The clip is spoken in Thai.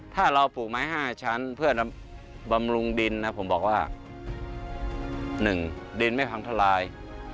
ถ้าเราปลูกไม้๕ชั้นเพื่อบำรุงดินนะผมบอกว่า๑ดินไม่พังทลาย